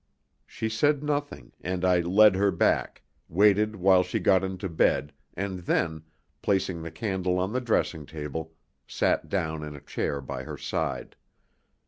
She said nothing, and I led her back, waited while she got into bed, and then, placing the candle on the dressing table, sat down in a chair by her side.